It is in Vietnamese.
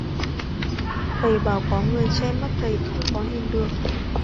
thầy bảo có người che mắt thầy không có nhìn được